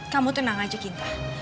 kamu tenang aja gita